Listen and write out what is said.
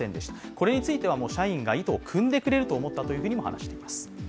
これについては、社員が意図をくんでくれると思ったとも話しています。